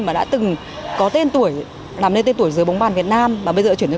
mà đã từng có tên tuổi làm nên tên tuổi dưới bóng bàn việt nam và bây giờ chuyển lên